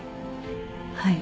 はい。